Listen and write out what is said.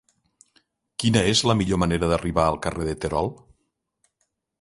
Quina és la millor manera d'arribar al carrer de Terol?